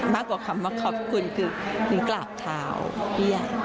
มากกว่าคำว่าขอบคุณคือนิ้งกราบเท้าพี่ใหญ่